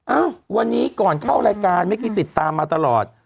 เอ้าวันนี้ก่อนเข้ารายการเมื่อกี้ติดตามมาตลอด